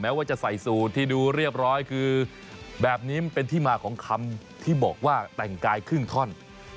ว่าจะใส่สูตรที่ดูเรียบร้อยคือแบบนี้มันเป็นที่มาของคำที่บอกว่าแต่งกายครึ่งท่อน